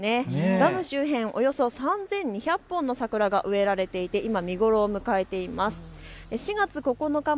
ダム周辺、およそ３２００本の桜が植えられていて今、見頃を迎えています。